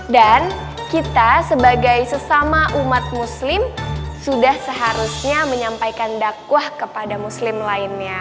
dan kita sebagai sesama umat muslim sudah seharusnya menyampaikan dakwah kepada muslim lainnya